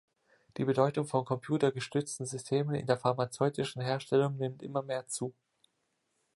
Die Bedeutung von computergestützten Systemen in der pharmazeutischen Herstellung nimmt immer mehr zu.